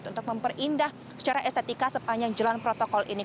untuk memperindah secara estetika sepanjang jalan protokol ini